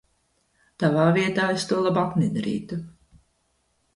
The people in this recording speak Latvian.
Tavā vietā es to labāk nedarītu...